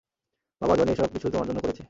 বাবা, জনি এইসব কিছু তোমার জন্য করেছে।